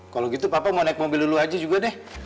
kalau gitu papa mau naik mobil dulu aja juga deh